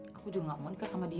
aku juga gak mau nikah sama dia